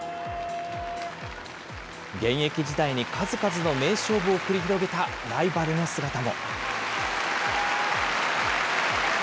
現役時代に数々の名勝負を繰り広げたライバルの姿も。